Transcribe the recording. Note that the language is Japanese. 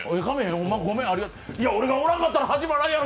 ホンマありがとういや、俺がおらんかったら始まらんやろ！